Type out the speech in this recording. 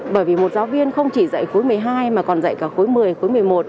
bởi vì một giáo viên không chỉ dạy khối một mươi hai mà còn dạy cả khối một mươi khối một mươi một